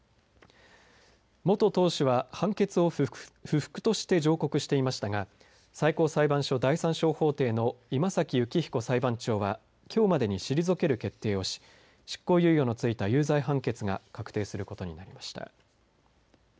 元党首は判決を不服として上告していましたが、最高裁判所第３小法廷の今崎幸彦裁判長は、きょうまでに退ける決定をし、執行猶予のついた有罪判決が確定することになりました。